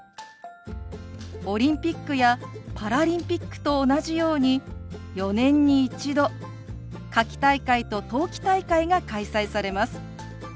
オリンピックやパラリンピックと同じように４年に１度夏季大会と冬季大会が開催されます。